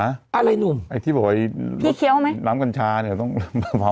อะไรหนุ่มไอ้ที่บอกไอ้น้ำกันชาเนี่ยต้องเผา